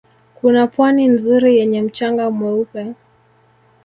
Kuna Pwani nzuri yenye mchanga mweupe